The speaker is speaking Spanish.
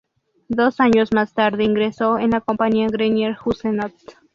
Dos años más tarde ingresó en la Compañía Grenier-Hussenot.